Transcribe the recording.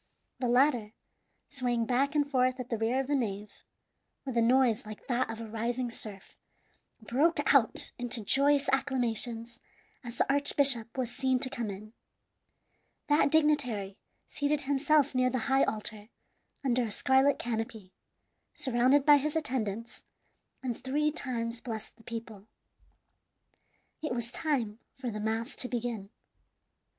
The latter, swaying back and forth at the rear of the nave, with a noise like that of a rising surf, broke out into joyous acclamations as the archbishop was seen to come in. That dignitary seated himself near the high altar under a scarlet canopy, surrounded by his attendants, and three times blessed the people. It was time for the mass to begin.